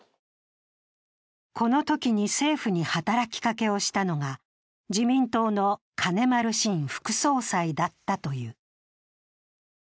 このときに政府に働きかけをしたのが、自民党の金丸信副総裁だったという。